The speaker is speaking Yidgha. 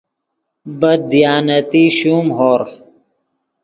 بد دیانتی شوم ہورغ